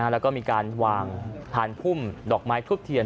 แล้วก็มีการวางทานพุ่มดอกไม้ทุบเทียน